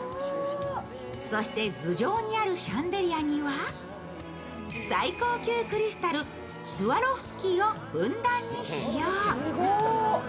そして頭上にあるシャンデリアには最高級クリスタル、スワロフスキーをふんだんに使用。